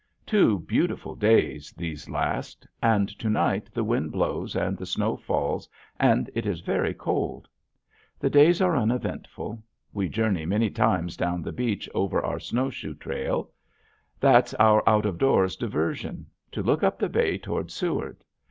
Two beautiful days, these last. And to night the wind blows and the snow falls and it is very cold. The days are uneventful. We journey many times down the beach over our snowshoe trail. That's our out of doors diversion, to look up the bay toward Seward.